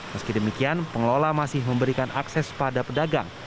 meski demikian pengelola masih memberikan akses pada pedagang